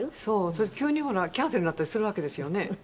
それで急にほらキャンセルになったりするわけですよね。